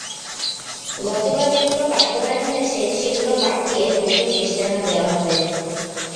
গতবার যেগুলো বাস্তবায়ন হয়েছে, সেগুলো বাদ দিয়ে নতুন ইশতেহার দেওয়া হবে।